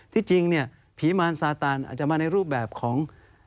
ที่จริงเนี่ยผีมารซาตานอาจจะมาในรูปแบบของ